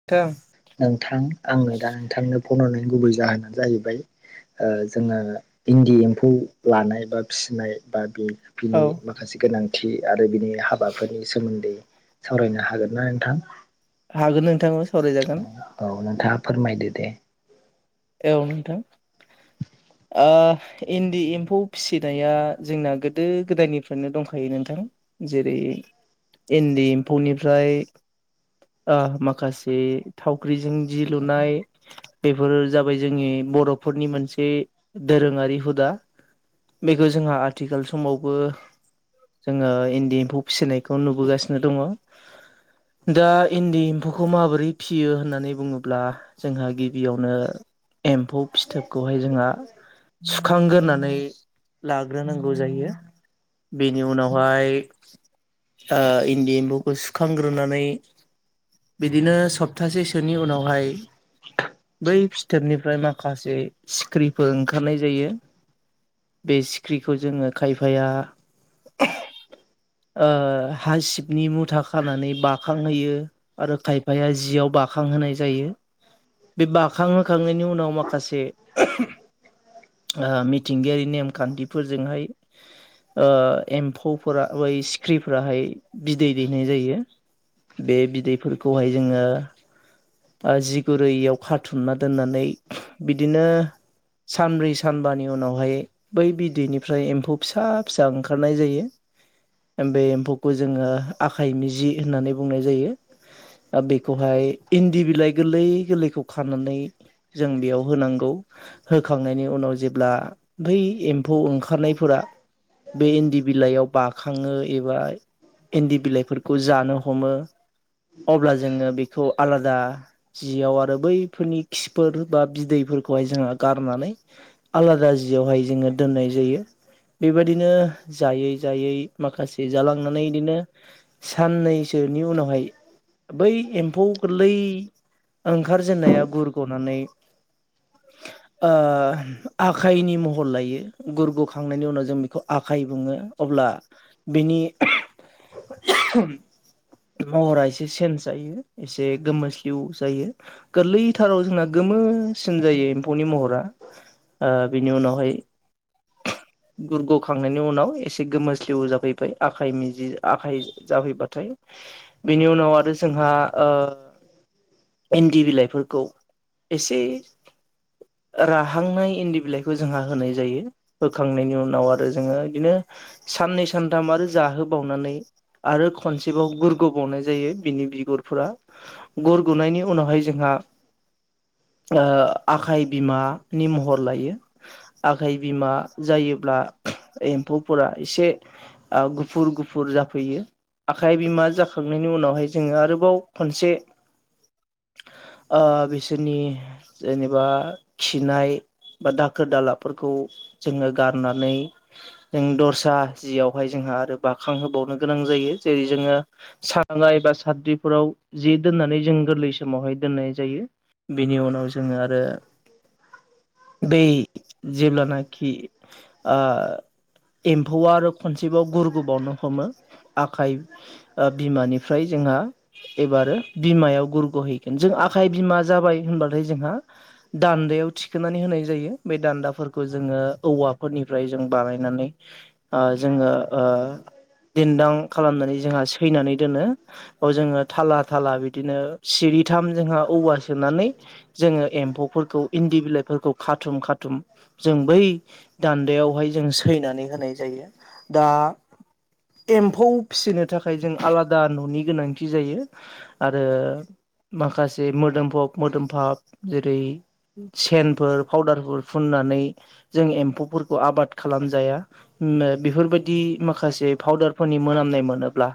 [unintelligible] नोंथां आंनो दा नोंथांनो फन हरनायनि गुबै जाहोनानो जाहैबाय ओ जोङो इन्दि एम्फौ लानाय बा फिसिनाय बा बे औ बिनि माखासे गोनांथि आरो बिनि हाबाफोरनि सोमोन्दै सावरायनो हागोन ना नोंथां? हागोन नोंथा ओं सावरायजागोन। औ नोंथाङा फोरमायदो दे। औ नोंथां। ओ इन्दि एम्फौ फिसिनाया जोंना गोदो गोदायनिफ्रायनो दंखायो नोंथां। जेरै इन्दि एम्फौनिफ्राय ओ माखासे थावख्रिजों जि लुनाय बेफोर जाबाय जोंनि बर'फोरनि मोनसे दोरोङारि हुदा। बेखौ जोंहा आथिखाल समावबो जोङो इन्दि एम्फौ फिसिनायखौ नुबोगासिनो दङ। दा इन्दि एम्फौखौ माबोरै फिसियो होननानै बुङोब्ला जोंहा गिबियावनो एम्फौ फिथोबखौहाय जोंहा सुखांग्रोनानै लाग्रोनांगौ जायो। बेनि उनावहाय ओ इन्दि एम्फौखौ सुखांग्रोनानै बिदिनो सप्तासेसोनि उनावहाय बै फि थोबनिफ्राय माखासे सिख्रिफोर ओंखारनाय जायो। बे सिख्रिखौ जोङो खायफाया ओ हासिबनि मुथा खानानै बाखांहोयो। आरो खायफाया जियाव बाखां होनाय जायो बे बाखां होखांनायनि उनाव माखासे ओ मिथिंगायारि नेमखान्थिफोरजोंहाय ओ एम्फौफोरा बै सिख्रिफोराहाय बिदै दैनाय जायो। बे बिदैफोरखौहाय जोङो जि गुरैयाव खाथुमना दोननानै बिदिनो सानब्रै सानबानि उनावहाय बै बिदैनिफ्राय एम्फौ फिसा फिसा ओंखारनाय जायो बे एम्फौखौ जोङो आखाइनि जि होननानै बुंनाय जायो दा बेखौहाय इन्दि बिलाइ गोरलै गोरलैखौ खानानै जों बेयाव होनांगौ होखांनायनि उनाव जेब्ला बै एम फौ ओंखारनायफोरा बे इन्दि बिलाइयाव बाखाङो एबा इन्दि बिलाइफोरखौ जानो हमो अब्ला जोङो बेखौ आलादा जियाव आरो बैफोरनि खिफोर बा बिदैफोरखौहाय जोङो गारनानै आलादा जियावहाय जोङो दोननाय जायो बेबायदिनो जायै जायै माखासे जालांनानै बिदिनो साननैसोनि उनावहाय बै एम्फौ गोरलै ओंखारजेननाया गुरग'नानै [inaudible] ओ आखाइनि महर लायो गुरगु'खांनायनि उनाव जों बेखौ आखाइ बुङो अब्ला बिनि महरा एसे सिन जायो एसे गोमोस्लिउ जायो गोरलै थाराव जोंना गोमोसिन जायो एम्फौनि महरा बेनि उनावहाय गुरग'खांनायनि उनाव एसे गोमोस्लिउ जाफैबाय आखाइ मिजि आखाइ जाफैबाथाय बेनि उनाव आरो जोंहा इन्दि बिलाइफोरखौ एसे राहांनाय इन्दि बिलाइखौ जोंहा होनाय जायो होखांनायनि उनाव आरो जोङो बिदिनो साननै सानथाम आरो जाहोबावनानै आरो खनसेबाव गुरग'बावनाय जायो बिनि बिगुरफोरा गुरग'नायनि उनावहाय जोंहा ओ आखाइ बिमानि महर लायो आखाइ बिमा जायोब्ला बेक्षएम्फौफोरा एसे ओ गुफुर गुफुर जाफैयो आखाइ बिमा जाखांनायनि उनावहाय जोङो आरोबाव खनसे ओ बिसोरनि जेनेबा खिनाय बा दाखोर दालाफोरखौ जोङो गारनानै जों दस्रा जियावहाय जोंहा आरो बाखां होबावनो गोनां जायो जेरै जोङो सानदांगा एबा सान्द्रिफोराव जे दोननानै जों गोरलै समावहाय दोननाय जायो बेनि उनाव जोङो आरो बै जेब्लाना खि एम्फौ आरो खनसेबाव गुरगबावनो हमो आखाइ बिमानिफ्राय जोंहा एबारो बिमायाव गुरग' हैगोन जों आखाइ बिमा जाबाय होनबाथाय जोंहा दान्दायाव थिखोनानै होनाय जायो बे दान्दाफोरखौ जोङो औवाफोरनिफ्राय जों बानायनानै जोङो दिन्दां खालामनानै जोंहा सैनानै दोनो बेयाव जोङो थाला थाला बिदि बिदिनो सिरिथाम जोंहा औवा सोनानै जोङो एम्फौफोरखौ इन्दि बिलाइफोरखौ खाथुम खाथुम जों बै दान्दायावहाय जों सैनानै होनाय जायो दा एम्फौ फिसिनो थाखाय जों आलादा न'नि गोनांथि जायो आरो माखासे मोदोमफब मोदोमफाब जेरै सेनफोर फाउदारफोर फुननानै जों एम्फौफोरखौ आबाद खालामजाया बेफोरबायदि माखासे पाउदारफोरनि मोनामनाय मोनोब्ला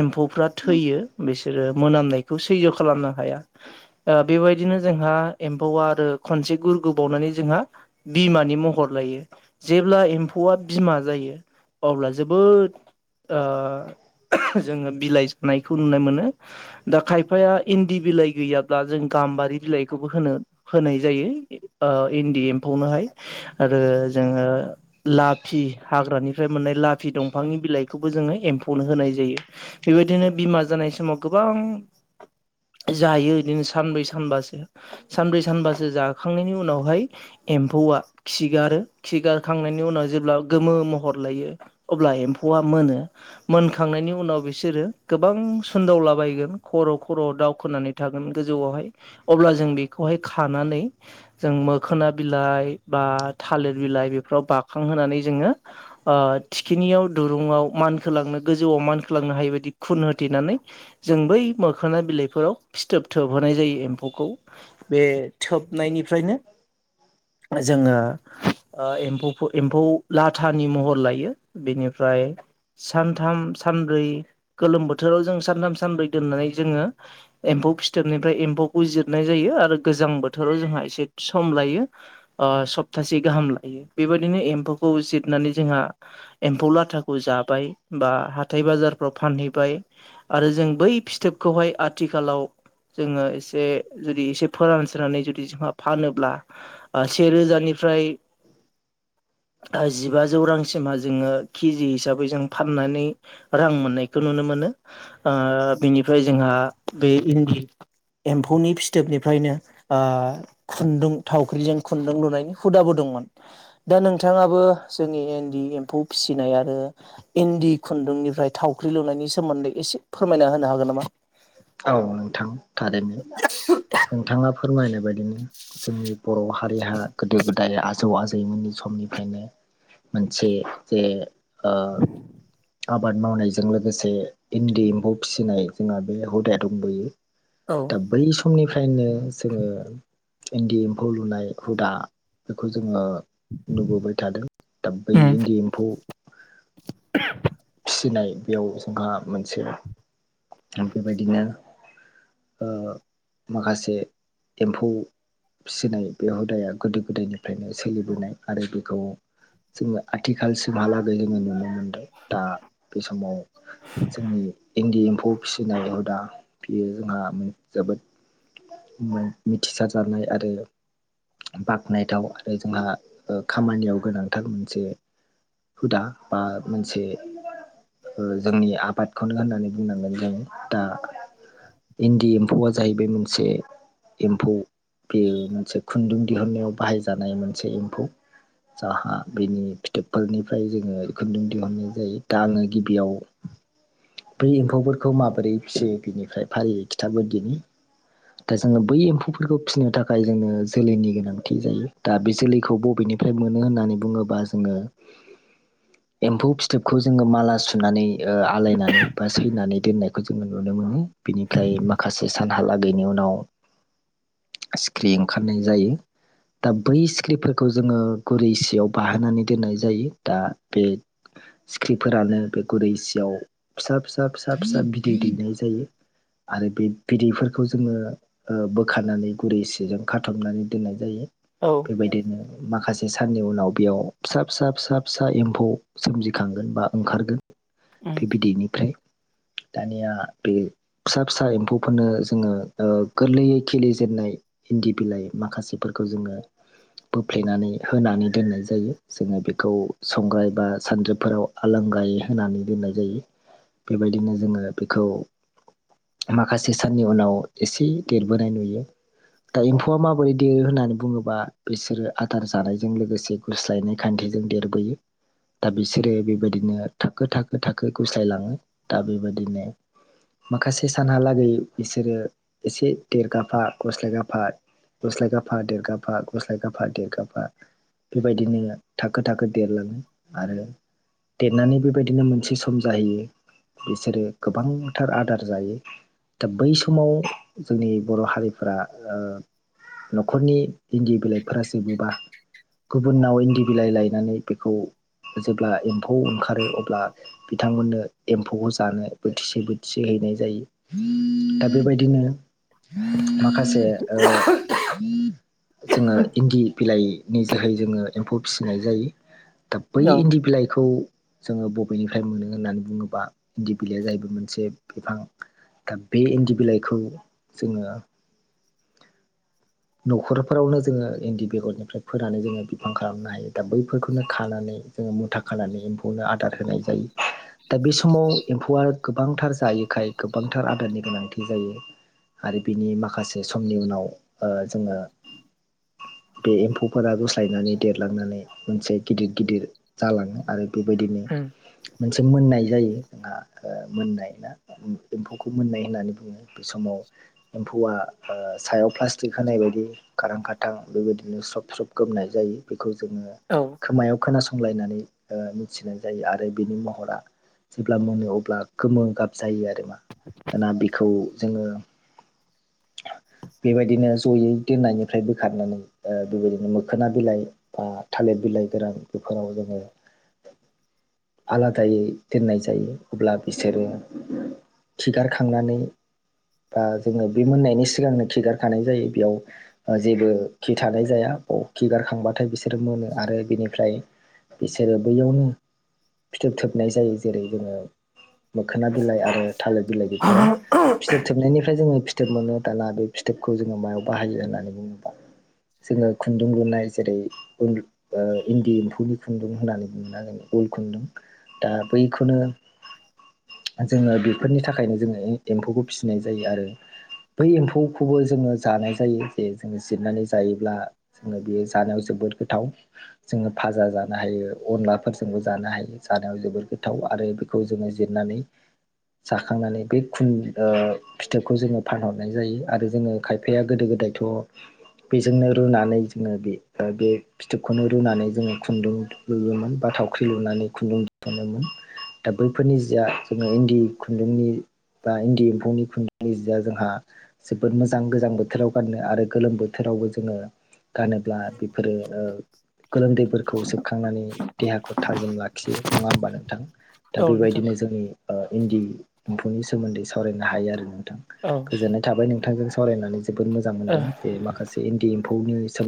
एम्फौफ्रा थैयो बिसोरो मोनामनायखौ सैज्य' खालामनो हाया बेबायदिनो जोंहा एम्फौआ आरो खनसे गुर गोबावनानै जोंहा बिमानि महर लायो जेब्ला एम्फौआ बिमा जायो अब्ला जोबोद जोङो बिलाइ नायखौ नुनो मोनो दा खायफाया इन्दि बिलाइ गैयाब्ला जों गाम्बारि बिलाइखौबो होनो होनाय जायो इन्दि एम्फौनोहाय आरो जोङो लाफि हाग्रानिफ्राय मोननाय लाफि दंफांनि बिलाइखौबो जोङो एम्फौनो होनाय जायो बेबायदिनो बिमा जानाय समाव गोबां जायो बिदिनो सानब्रै सानबासो सानब्रै सानबासो जाखांनायनि उनावहाय एम्फौआ खिगारो खिगारखांनायनि उनाव जेब्ला गोमो महर लायो अब्ला एम्फौआ मोनो मोनखांनायनि उनाव बिसोरो गोबां सुदावलाबायगोन खर' खर' दावखोनानै थागोन गोजौआवहाय अब्ला जों बिखौहाय खानानै जों मोखोना बिलाइ बा थालिर बिलाइ बेफोराव बाखांहोनानै जोङो थिखिनियाव दुरुंङाव मानखोलांनो गोजौआव मानखोलांनो हायि बायदि खुन होथेनानै जों बै मोखोना बिलाइफोराव फिथोब थोब होनाय जायो एम्फौखौ बे थोबनायनिफ्रायनो जोङो एम्फौ एम्फौ लाथानि महर लायो बिनिफ्राय सानथाम सानब्रै गोलोम बोथोराव जों सानथाम सानब्रै दोननानै जोङो एम्फौ फिथोबनिफ्राय एम्फौखौ जिरनाय जायो आरो गोजां बोथोराव जोंहा एसे सम लायो सप्तासे गाहाम लायो बेबायदिनो एम्फौखौ जिरनानै जोंहा एम्फौ लाथाखौ जाबाय बा हाथाय बाजारफ्राव फानहैबाय आरो जों बै फिथोबखौहाय आथिखालाव जोङो एसे जुदि एसे फोरानसिनानै जुदि जोंहा फानोब्ला सेेरोजानिफ्राय जिबाजौ रांसिमहा जोङो केजि हिसाबै जों फाननानै रां मोननायखौ नुनो मोनो बिनिफ्राय जोंहा बे इन्दि एम्फौनि फिथोबनिफ्रायनो खुन्दुं थावख्रिजों खुन्दुं लुनायनि हुदाबो दंमोन दा नोंथाङाबो जोंनि एनदि एम्फौ फिसिनाय आरो इन्दि खुन्दुंनिफ्राय थावख्रि लुनायनि सोमोन्दै एसे फोरमायना होनो हागोन नामा औ नोंथां थारैनो नोंथाङा फोरमायनाय बायदिनो जोंनि बर' हारिया गोदो गोदाय दा आजौ आजैमोननि समनिफ्रायनो मोनसे जे आबाद मावनायजों लोगोसे इन्दि एम्फौ फिसिनाय जोंहा बे हुदा दंबयो औ बै समनिफ्रायनो जोङो इन्दि एम्फौ लुनाय हुदा बेखौ जोङो नुबोबाय थादों दा बै इन्दि एम्फौ फिसिनाय बेयाव जोंहा मोनसे बेबायदिनो माखासे एम्फौ फिसिनाय बे हुदाया गोदो गोदायनिफ्रायनो सोलिबोनाय आरो बेखौ जोङो आथिखालसिमहालागै जोङो नुनो मोनदों दा बे समाव जोंनि इन्दि एम्फौ फिसिनाय हुदा बेयो जोंहा जोबोद मिथिसार जानाय आरो बाख्नायथाव आरो जोंहा खामानियाव गोनांथार मोनसे हुदा बा मोनसे ओ जोंनि आबादखौनो होननानै बुंनांगोन जों दा इन्दि एम्फौआ जाहैबाय मोनसे एम्फौ बेयो मोनसे खु खुन्दुं दिहुननायाव बाहायजानाय मोनसे एम्फौ। जाहा बेनि फिथोबफोरनिफ्राय जोङो खुन्दुं दिहुनो। जायो दा आङो गिबियाव बै एम्फौफोरखौ माबोरै फिसियो बेनिफ्राय फारियै खिथाबोदिनि। दा जोङो बै एम्फौफोरखौ फिसिनो थाखाय जोङो जोलैनि गोनांथि जायो दा बे जोलैखौ बबेनि फ्राय मोनो होननानै बुङोबा जोङो एम्फौ फि थोबखौ जोङो माला सुनानै आलायनानै बा सैनानै दोननायखौ जोङो नुनो मोनो। बिनिफ्राय माखासे सानहालागैनि उनाव सिख्रि ओंखारनाय जायो। दा बै सिख्रिफोरखौ जोङो गुरै सियाव बाहोनानै दोननाय जायो दा बे सिख्रिफोरानो बे गुरै सियाव फिसा-फिसा-फिसा-फिसा बिदै दैनाय जायो। आरो बे बिदैफोरखौ जोङो ओ बोखानानै गुरै सिजों खाथबनानै दोननाय जायो। औ। बेबायदिनो माखासे साननि उनाव बेयाव फिसा-फिसा फिसा-फिसा एम्फौ सोमजि खांगोन बा ओंखारगोन बे बिदैनिफ्राय दानिया बे फिसा-फिसा एम्फौफोरनो जोङो ओ गोरलैयै खिलिजेननाय इन्दि बिलाइ माखासेफोरखौ जोङो बोफ्लेनानै होनानै दोननाय जायो जोङो बेखौ संग्राय बा सानद्रोब फोराव आलांगायै होनानै दोननाय जायो बेबायदिनो जोङो बेखौ माखासे साननि उनाव एसे देरबोनाय नुयो। दा एम्फौआ माबोरै देरो होननानै बुङोबा बिसोरो आदार जानायजों लोगोसे गुस्लायनाय खान्थिजों देरबोयो दा बिस सोरो बेबायदिनो थाखो-थाखो-थाखो गुस्लायलाङो दा बेबादिनो माखासे सानहालागै बिसोरो एसे देरगाफा गुस्लायगाफा गुस्लायगाफा देरगाफा गुस्लायगाफा देरगाफा। बेबायदिनो थाखो-थाखो देरलाङो आरो देरनानै बेबायदिनो मोनसे सम जाहैयो बिसोरो गोबांथार आदार जायो। दा बै समाव जोंनि बर' हारिफोरा ओ न'खरनि इन्दि बिलाइफोरा जोबोबा गुबुनाव इन्दि बिलाइ लायनानै बेखौ जेब्ला एम्फौ ओंखारो अब्ला बिथांमोननो एम्फौखौ जानो बोथिसे-बोथिसे हैनाय जायो। [inaudible] दा बेबायदिनो [inaudible] माखासे ओ [inaudible] जोङो इन्दि बिलाइ नि जोहै जोङो एम्फौ फिसिनाय जायो दा बै औ इन्दि बिलाइखौ जोङो बबेनिफ्राय मोनो होननानै बुङोबा इन्दि बिलाइया जाहैबाय मोनसे बिफां। दा बे इन्दि बिलाइखौ जोङो न'खरफोरावनो जोङो इन्दि बेगरनिफ्राय फोनानै जोङो बिफां खालामनो हायो दा बैफोरखौनो खानानै जोङो मुथा खानानै एम्फौनो आदार होनाय जायो। दा बे समाव एम्फौआ गोबांथार जायोखाय गोबांथार आदारनि गोनांथि जायो। आरो बिनि माखासे समनि उनाव ओ जोङो बे एम्फौफोरा गुस्लायनानै देरलांनानै मोनसे गिदिर-गिदिर जालाङो आरो बेबायदिनो मोनसे मोननाय जायो आ ओ मोननाय ना उम एम्फौखौ मोननाय होननानै बुङो। बे समाव एम्फौआ ओ सायाव प्लास्टिक होनाय बायदि खारां खाथां बेबायदिनो स्रब-स्रब गोमनाय जायो बेखौ जोङो औ। खोमायाव खोनासंलायनानै ओ मिथिनाय जायो आरो बिनि महरा जेब्ला मोनो अब्ला गोमो गाब जायो आरो मा दाना बेखौ जोङो बेबायदिनो जयै दोननायनिफ्राय बोखारनानै बेबायदिनो मोखोना बिलाइ बा थालिर बिलाइ गोरान बेफोराव जोङो आलादायै दोननाय जायो अब्ला बिसोरो खिगारखांनानै बा जोङो बे मोननायनि सिगांनो खिगारखानाय जायो बेयाव जेबो खि थानाय जाया खिगारखांबाथाय बिसोरो मोनो आरो बिनिफ्राय बिसोरो बैयावनो फिथोब थोबनाय जायो जेरै जोङो मोखोना बिलाइ आरो थालिर बिलाइ बेफोराव फिथोब थोबनायनिफ्राय जोङो फिथोब मोनो दाना बे फिथोबखौ जोङो मायाव बाहायो होननानै बुङोब्ला जोङो खुन्दुं लुनाय जेरै इन्दि एम्फौनि खुन्दुं होननानै बुंनांगोन उल खुन्दुं दा बैखौनो जोङो बेफोरनि थाखायनो जोङो एम्फौखौ फिसिनाय जायो आरो बै एम्फौखौबो जोङो जानाय जायो जे जोङो जिरनानै जायोब्ला बेयो जानायाव जोबोद गोथाव जोङो फाजा जानो हायो अनलाफोरजोंबो जानो हायो जानायाव जोबोर गोथाव आरो बे जोङो जिरनानै जाखांनानै बे खुन ओ फिथोबखौ जोङो फानहरनाय जायो आरो जोङो खायफाया गोदो गोदायथ' बेजोंनो रुनानै जोङो बे बे फिथोबखौनो रुनानै जोङो खुन्दुं लुयोमोन बा थावख्रि लुनानै खुन्दुं दिहुनोमोन दा बैफोरनि जिया जोङो इन्दि खुन्दुंनि बा इन्दि एम्फौनि खुन्दुंनि जिया जों ओ जोबोद मोजां गोजां बोथोराव गाननो आरो गोलोम बोथोरावबो जोङो गानोब्ला बेफोरो ओ गोलोमदैफोरखौ सेबखांनानै देहाखौ थाजिम लाखियो नङा होमबा नोंथां औ दा नोंथां बेबायदिनो जोंनि ओ इन्दि एम्फौनि सोमोन्दै सावरायनो हायो आरो नोंथां औ गोजोननाय थाबाय नोंथांजों सावरायनानै जोबोर मोजां ओ मोनदों जे माखासे इन्दि एम्फौनि सोमोन्दै